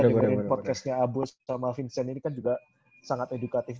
kita dengerin podcastnya abus sama vincent ini kan juga sangat edukatif